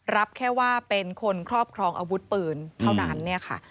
รับแค่ว่าเป็นคนครอบครองอาวุธปืนเท่านั้น